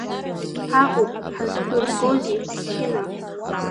Ҳаҟоуп, ҳазбыргозеи, Хьына.